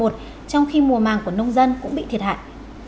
trong khi mùa màng của nông dân cũng bị thiệt hại